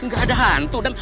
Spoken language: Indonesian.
gak ada hantu